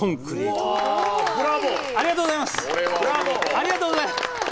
ありがとうございます。